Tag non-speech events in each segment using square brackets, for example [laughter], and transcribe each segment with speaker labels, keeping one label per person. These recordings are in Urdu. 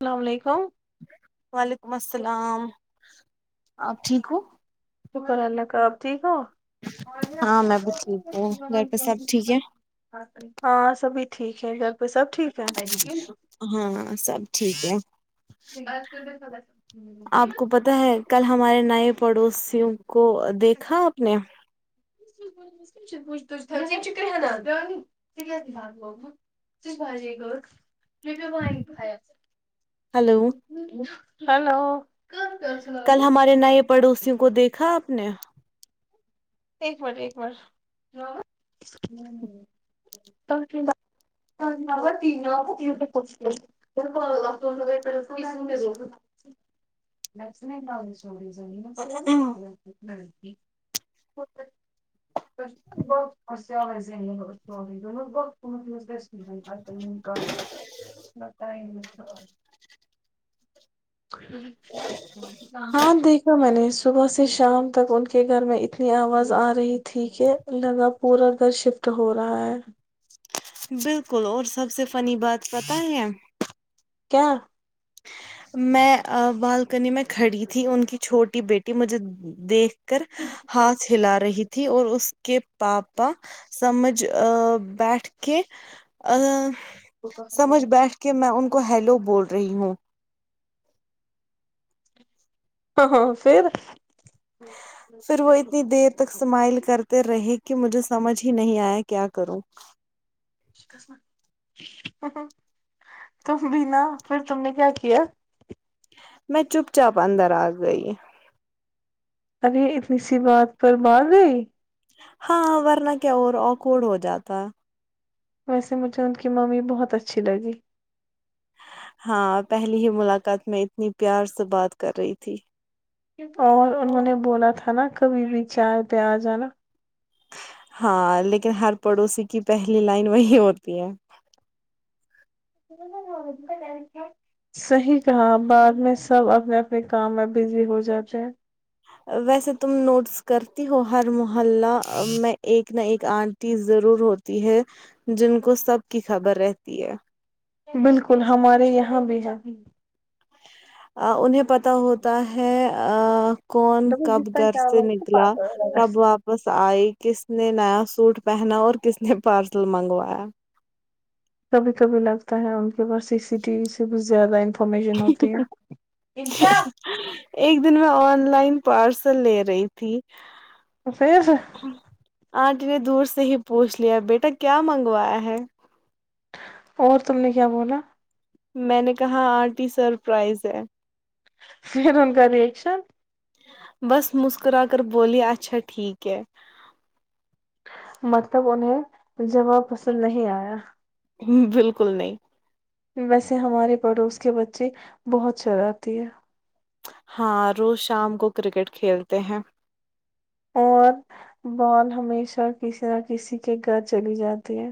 Speaker 1: السلام وعلیکم
Speaker 2: وعلیکم السلام آپ ٹھیک ہو
Speaker 1: شکر اللہ کا آپ ٹھیک ہو
Speaker 2: ہاں میں بس ٹھیک ہوں گھر پہ سب ٹھیک ہے
Speaker 1: ہاں سبھی ٹھیک ہے گھر پہ سب ٹھیک ہے
Speaker 2: ہاں سب ٹھیک ہے آپ کو پتا ہے کل ہمارے نئے پڑوسیوں کو دیکھا آپ نے
Speaker 1: [unintelligible] [inaudible] [unintelligible] [inaudible]
Speaker 2: ہلو
Speaker 1: ہیلو
Speaker 2: کل ہمارے نئے پڑوسیوں کو دیکھا آپ نے
Speaker 1: ایک بار ایک بار [unintelligible] [unintelligible] [unintelligible] [unintelligible] [unintelligible] [unintelligible] [unintelligible]
Speaker 2: [inaudible]
Speaker 1: [unintelligible] ہاں دیکھا میں نے صبح سے شام تک ان کے گھر میں آواز آ رہی تھی کہ ان لوگ کا پورا گھر شفٹ ہو رہا ہے
Speaker 2: بالکل اور سب سے فنی بات پتہ ہے
Speaker 1: کیا
Speaker 2: میں بالکنی میں کھڑی تھی ان کی چھوٹی بیٹی مجھے دیکھ کر ہاتھ ہلا رہی تھی تھی اور اس کے پاپا سمجھ بیٹھ کے اہ سمجھ بیٹھ کے میں ان کو ہیلو بول رہی ہوں
Speaker 1: ہاں ہاں پھر ہ
Speaker 2: پھر وہ اتنی دیر تک اسمائل کرتے رہے کہ مجھے سمجھ ہی نہیں آیا کیا کروں
Speaker 1: ہوں ہوں تم بھی نا پھر تم نے کیا کیا
Speaker 2: میں چپ چاپ اندر آ گئی
Speaker 1: ابھی اتنی سی بات پر بھاگ گئی
Speaker 2: ہاں ورنہ کیا اور آکوڈ ہو جاتا
Speaker 1: ویسے مجھے ان کی ممی بہت اچھی لگی
Speaker 2: ہاں پہلی ہی ملاقات میں اتنی پیار سے بات کر رہی تھی
Speaker 1: اور انہوں نے بولا تھا نا کبھی بھی چائے پہ آ جانا
Speaker 2: ہاں لیکن ہر پڑوسی کی پہلی لائن وہی ہوتی ہے
Speaker 1: ہو کیا [unintelligible] صحیح کہا بعد میں سب اپنے اپنے کام میں بزی ہو جاتے ہیں
Speaker 2: ویسے تم نوٹس کرتی ہو ہر محلہ میں ایک نہ ایک آنٹی ضرور ہوتی تی ہے جن کو سب کی خبر رہتی ہے
Speaker 1: بالکل ہمارے یہاں بھی ہے
Speaker 2: انہیں پتہ ہوتا ہے آں کون کب گھر سے نکلا کب واپ بس آئی کس نے نیا سوٹ پہنا اور کس نے پارسل منگوایا
Speaker 1: کبھی کبھی لگتا ہے ان کے پاس سی سی ٹی وی سے زیادہ ان فارمیشن ہوتی ہے انشاء
Speaker 2: ایک دن میں آن لائن پارسل لے رہی تھی
Speaker 1: پھر
Speaker 2: آنٹی نے دور سے ہی پوچھ لیا بیٹا کیا منگوایا ہے
Speaker 1: اور تم نے کیا بولا
Speaker 2: میں نے کہاں آنٹی سرپرائز ہے
Speaker 1: پھر ان کا ریاکشن
Speaker 2: بس مسکرا کر بولی اچھا ٹھیک ہے
Speaker 1: مطلب انہیں جواب پسند نہیں آیا
Speaker 2: ھم بالکل نہیں
Speaker 1: ویسے ہمارے پڑوس کے بچے بہت شرارتی ہے
Speaker 2: ہاں روز شام کو کرکٹ کھیلتے ہیں
Speaker 1: اور بال ہمیشہ کسی نہ کسی کے گھر چلی جاتی ہے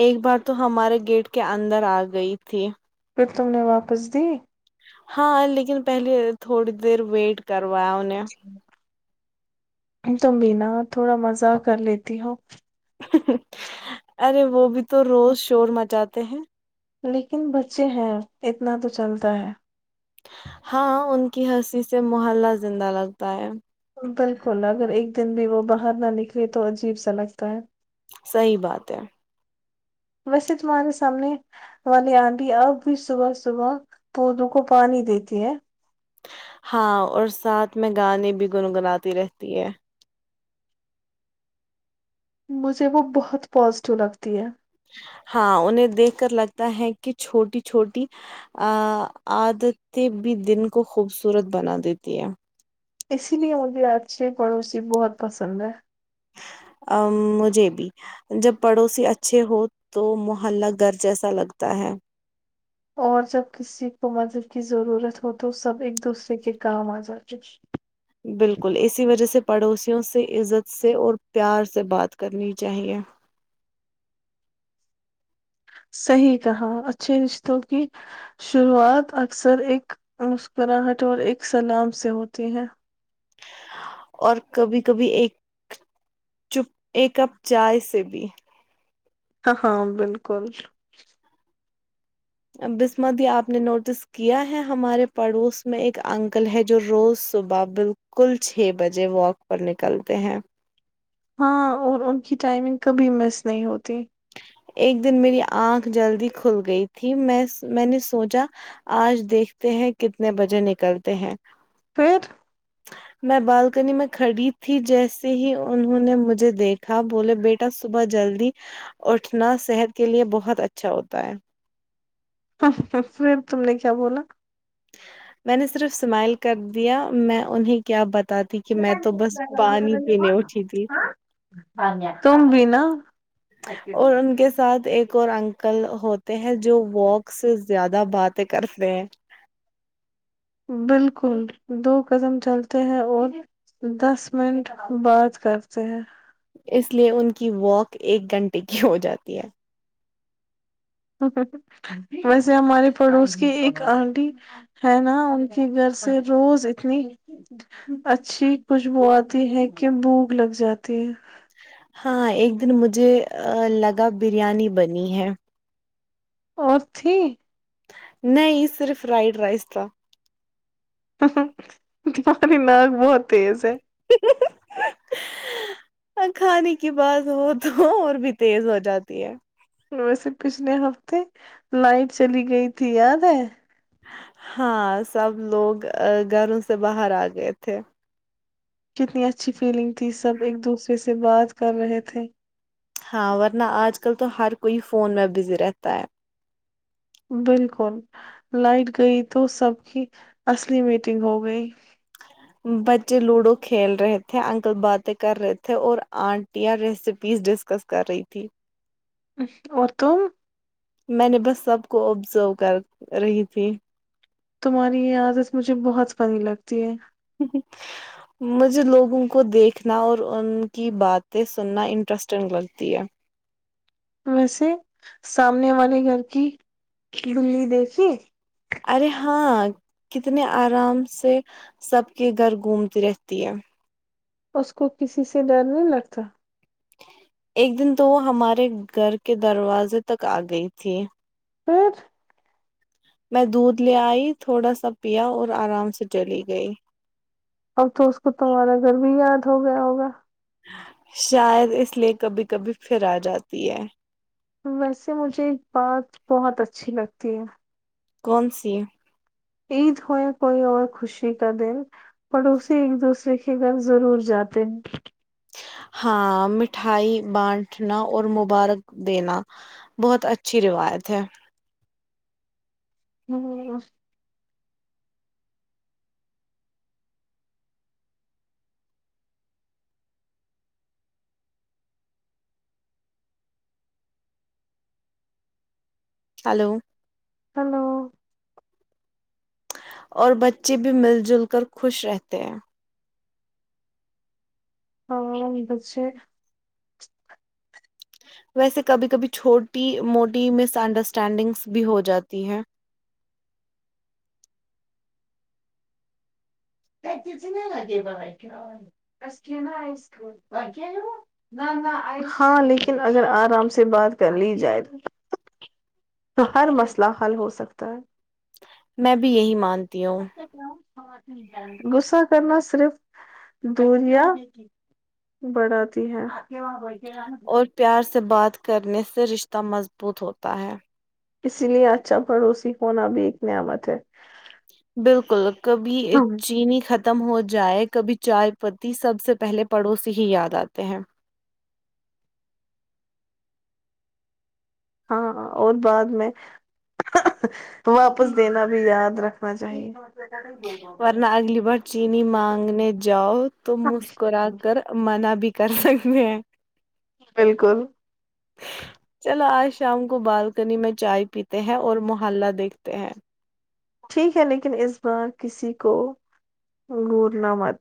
Speaker 2: ایک بار تو ہمارے گیٹ کے اندر آ گئی تھی
Speaker 1: پھر تم نے واپس دی
Speaker 2: ہاں لیکن پہلے تھوڑی دیر ویٹ کروایا انھیں
Speaker 1: تم بھی نا تھوڑا مزاق کر لیتی ہو
Speaker 2: ارے وہ بھی تو روز شور مچاتے ہیں
Speaker 1: لیکن بچے ہیں اتنا تو چلتا ہے
Speaker 2: ہاں ان کی ہنسی سے محلہ زندہ لگتا ہے
Speaker 1: بالکل اگر ایک دن بھی وہ باہر نہ نکلے تو عجیب سا لگتا ہے
Speaker 2: صحیح بات ہے
Speaker 1: ویسے تمہارے سامنے والی آنٹی اب بھی صبح صبح پودوں کو پانی دیتی ہے
Speaker 2: ہاں اور ساتھ میں گانے بھی گنگناتی رہتی ہے
Speaker 1: مجھے وہ بہت پازیٹیو لگتی ہے
Speaker 2: ہاں انہیں دیکھ کر لگتا ہے کہ چھوٹی چھوٹی آ عادتیں بھی دن کو خوبصورت بنا دیتی ہے
Speaker 1: اسی لیے مجھے اچھے پڑوسی بہت پسند ہے
Speaker 2: ام مجھے بھی جب پڑوسی اچھے ہو تو محلہ گھر جیسا لگتا ہے
Speaker 1: اور جب کسی کو مدد کی ضرورت ہو تو سب ایک دوسرے کے کام آ جاتے
Speaker 2: بالکل اسی وجہ سے پڑوسیوں سے عزت سے اور پیار سے بات کرنی چاہیے
Speaker 1: صحیح کہا اچھے رشتوں کی شروعات اکثر ایک مسکراہٹ اور ایک سلام سے ہوتی ہے
Speaker 2: اور کبھی کبھی ایک چپ ایک کپ چائے سے بھی
Speaker 1: آہاں بالکل
Speaker 2: بسمادی یہ آپ نے نوٹس کیا ہے ہمارے پڑوس میں ایک انکل ہے جو روز صبح بالکل کل چھ بجے والک پر نکلتے ہیں
Speaker 1: ہاں اور ان کی ٹائمنگ کبھی مس نہیں ہوتی
Speaker 2: ایک دن میری آنکھ جلدی کھل گئی تھی میںس میں نے سوچا آج دیکھتے ہیں کتنے بجے نکلتے ہیں
Speaker 1: پھر
Speaker 2: میں بالکنی میں کھڑی تھی جیسے ہی انہوں نے مجھے دیکھا بولے بے ٹا صبح جلدی اٹھنا صحت کے لیے بہت اچھا ہوتا ہے
Speaker 1: پھر تم نے کیا بولا
Speaker 2: میں نے صرف اسمائل کر دیا میں انہیں کیا بتاتی کہ میں تو بس پانی پینے اٹھی تھی
Speaker 1: تم بھی نا
Speaker 2: اور ان کے ساتھ ایک اور انک کل ہوتے ہیں جو والک سے زیادہ باتیں کرتے ہیں
Speaker 1: بالکل دو قدم چلتے ہیں اور دس منٹ بات کرتے ہیں
Speaker 2: اس لیے ان کی والک ایک گھنٹے کی ہو جاتی ہے
Speaker 1: ویسے ہمارے پڑوس کے ایک آنٹی ہے نا ان کے گھر سے روز اتنی اچھی خوشبو آتی ہے کہ بھوک لگ جاتی ہے
Speaker 2: ہاں ایک دن آ مجھے لگا بریانی بنی ہے
Speaker 1: اور تھی
Speaker 2: نہیں صرف فرائڈ رائس تھا
Speaker 1: تمہاری ناک بہت تیز ہے
Speaker 2: ہاں کھانے کی بات ہو تو اور بھی تیز ہو جاتی ہے
Speaker 1: ویسے پچھلے ہفتے لائٹ چلی گئی تھی یاد ہے
Speaker 2: ہاں سب لوگ گھروں سے باہر آ گئے تھے
Speaker 1: کتنی اچھی فیلنگ تھی سب ایک دوسرے سے بات کر رہے تھے
Speaker 2: ہاں ورنہ آج کل تو ہر کوئی فون میں بزی رہتا ہے
Speaker 1: بالکل لائٹ گئی تو سب کی اصلی میٹنگ ہو گئی
Speaker 2: بچے لوڈو کھیل رہے تھے انکل باتیں کر رہے تھے اور آنٹیاں ریسیپیزس ڈس کس کر رہی تھی
Speaker 1: اور تم
Speaker 2: میں نے بس سب کو ابذرو کر رہی تھی
Speaker 1: تمہاری یے عادت مجھے بہت فنی لگتی ہے
Speaker 2: مجھے لوگوں کو دیکھنا اور ان کی باتیں سننا انٹرسٹنگ لگتی ہے
Speaker 1: ویسے سامنے والے گھر کی بلی دیکھی
Speaker 2: ارے ہاں کتنے آرام سے سب کے گھر گھومتی رہتی ہے
Speaker 1: اس کو کسی سے ڈر نہیں لگتا
Speaker 2: ایک دن تو وہ ہمارے گھر کے دروازے تک آ گئی تھی
Speaker 1: پھر
Speaker 2: میں دودھ لے آئی تھوڑا سا پیا اور آرام سے چلی گئی
Speaker 1: اب تو اس کو تمہارا گھر بھی یاد ہو گیا ہوگا
Speaker 2: شاید اس لیے کبھی کبھی پھر آ جاتی ہے
Speaker 1: ویسے مجھے ایک بات بہت اچھی لگتی ہے
Speaker 2: کونسی
Speaker 1: عید ہوئے کوئی اور خوشی کا دن پڑوسی ایک دوسرے کے گھر ضرور جاتے ہیں
Speaker 2: ہاں مٹھائی بانٹنا اور مبارک دینا بہت اچھی روایت ہے
Speaker 1: [unintelligible]
Speaker 2: ہلو
Speaker 1: ہلو
Speaker 2: اور بچے بھی مل جل کر خوش رہتے ہیں
Speaker 1: ہاں پچے
Speaker 2: ویسے کبھی کبھی چھوٹی موٹی مس انڈرسٹینڈنگس بھی ہو جاتی ہیں
Speaker 1: [unintelligible] ہاں لیکن اگر آرام سے بات کر لی جائے تو تو ہر مسئلہ حل ہو سکتا ہے
Speaker 2: میں بھی یہی مانتی ہوں
Speaker 1: غصہ کرنا صرف دوریا بڑھاتی ہے
Speaker 2: اور پیار سے بات کرنے سے رشتہ مضبوط ہوتا ہے
Speaker 1: اسی لیے اچھا پڑوسی ہونا بھی ایک نعمت ہے
Speaker 2: بالکل کبھی ایک چینی ختم ہو جائے کبھی چائے پتی سب سے پہلے پڑوسی ہی یاد آتے ہیں
Speaker 1: ہاں اور بعد میں واپس دینا بھی یاد رکھنا چاہیے
Speaker 2: ورنہ اگلی بار چینی مانگنے جاؤ تو مسکرا کر منع بھی کر سکتے ہیں
Speaker 1: بالکل
Speaker 2: ہاں [inaudible] چلو آج شام کو بالکنی میں چائے پیتے ہیں اور محلہ دیکھتے ہیں
Speaker 1: ٹھیک ہے لیکن اس بار کسی کو گھور نہ مت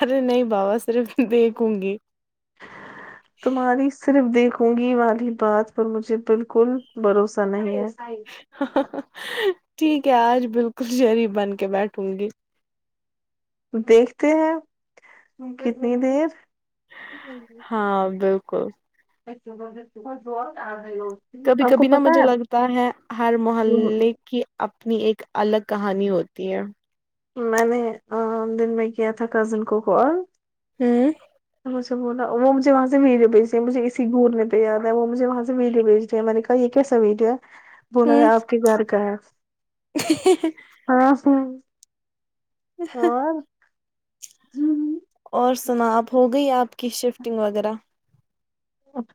Speaker 2: ارے نہیں بابا صرف دیکھوں گی
Speaker 1: تمہاری صرف دیکھوں گی والی بات پر مجھے بالکل بھروسہ نہیں ہے
Speaker 2: ٹھیک ہے آج بالکل شریف بن کے بیٹھوں گی
Speaker 1: دیکھتے ہیں کتنی دیر
Speaker 2: ہاں بالکل
Speaker 1: زور
Speaker 2: کبھی کبھی نا مجھے لگتا ہے ہر محلے کی اپنی ایک الگ کہانی ہوتی ہے
Speaker 1: میں نے آا دن میں کیا تھا کزن کو کال
Speaker 2: ھممم
Speaker 1: مجھ سے بولا وہ مجھے وہاں سے ویڈیو بھیجی ہے مجھے اسی گھورنے پہ میں وہ مجھے وہاں سے ویڈیو بھیجی ہیں میں نے کہا ہاں یہ کیسا ویڈیو ہے بنا
Speaker 2: ہوں
Speaker 1: آپ کے گھر کا ہے ہاں
Speaker 2: ہ [inaudible]
Speaker 1: ھم ھم
Speaker 2: اور سنا اب ہو گئی آپ کی شفٹنگ وغیرہ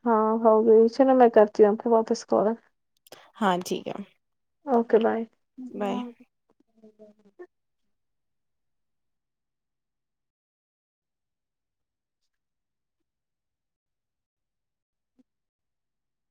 Speaker 1: ہاں ہو گئی سنو میں کرتی ہوں واپس کال
Speaker 2: ہاں ٹھیک ہے
Speaker 1: اوکے بائے
Speaker 2: بائے